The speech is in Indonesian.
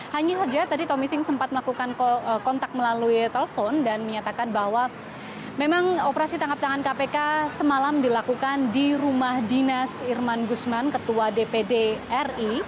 hanya saja tadi tommy sing sempat melakukan kontak melalui telepon dan menyatakan bahwa memang operasi tangkap tangan kpk semalam dilakukan di rumah dinas irman gusman ketua dpd ri